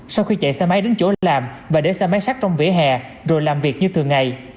sau khi chạy xe máy đến chỗ làm và để xe máy sát trong vỉa hè rồi làm việc như thường ngày